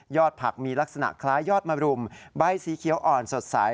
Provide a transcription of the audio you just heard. ผักมีลักษณะคล้ายยอดมรุมใบสีเขียวอ่อนสดใส